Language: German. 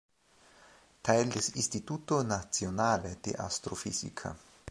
Teil des Istituto Nazionale di Astrofisica.